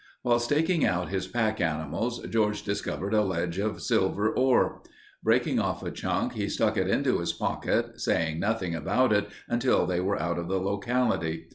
While staking out his pack animals, George discovered a ledge of silver ore. Breaking off a chunk, he stuck it into his pocket, saying nothing about it until they were out of the locality.